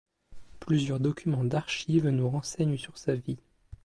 Plusieurs documents d'archives nous renseignent sur sa vie.